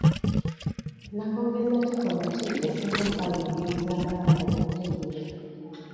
Nakongezakikolwa ki esinga okukaluubiriza abaana okutegeera?